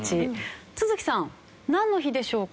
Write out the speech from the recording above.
都築さんなんの日でしょうか？